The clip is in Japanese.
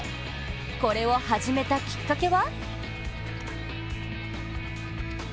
これを始めたきっかけは？